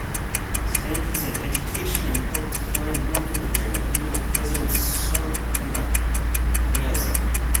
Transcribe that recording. Standards in education and health declined markedly during the rule of President Saparmurat Niyazov.